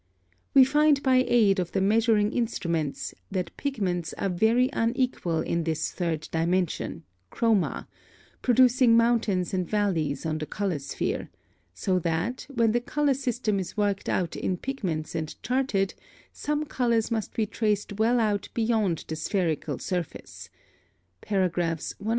We find by aid of the measuring instruments that pigments are very unequal in this third dimension, chroma, producing mountains and valleys on the color sphere, so that, when the color system is worked out in pigments and charted, some colors must be traced well out beyond the spherical surface (paragraphs 125 127).